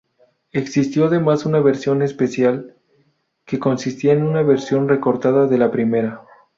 Existió además una versión "especial" que consistía en una versión recortada de la primera.